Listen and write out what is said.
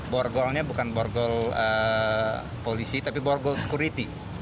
borgolnya bukan borgol polisi tapi borgol security